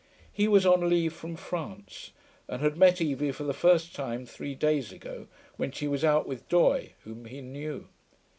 He was on leave from France, and had met Evie for the first time three days ago, when she was out with Doye, whom he knew.